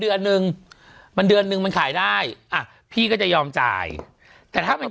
เดือนนึงมันเดือนนึงมันขายได้อ่ะพี่ก็จะยอมจ่ายแต่ถ้ามัน